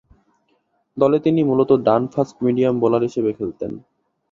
দলে তিনি মূলতঃ ডান ফাস্ট-মিডিয়াম বোলার হিসেবে খেলতেন।